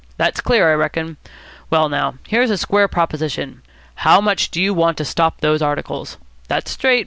That's clear, I reckon. Well, now, here's a square proposition. How much do you want to stop those articles? That's straight.